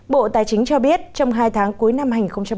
bộ tài chính cho biết trong hai tháng cuối năm hai nghìn một mươi tám